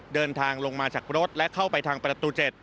เดินทางลงมาจากรถและเข้าไปทางประตู๗